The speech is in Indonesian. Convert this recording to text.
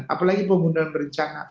apalagi penggunaan rencana